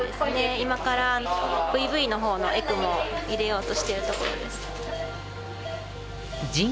今からＶ−Ｖのほうのエクモを入れようとしているところです。